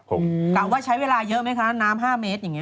กะว่าใช้เวลาเยอะไหมคะน้ำ๕เมตรอย่างนี้